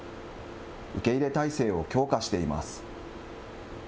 受け入れ体制を強化しています。